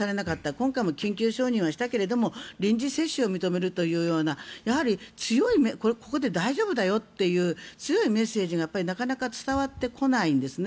今回も緊急承認したけども臨時接種を認めるというようなここで、大丈夫だよという強いメッセージがなかなか伝わってこないんですね。